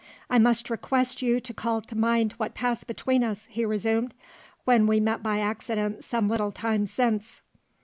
"I must request you to call to mind what passed between us," he resumed, "when we met by accident some little time since."